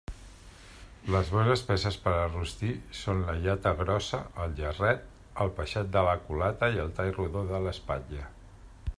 Les bones peces per a rostir són la llata grossa, el jarret, el peixet de la culata i el tall rodó de l'espatlla.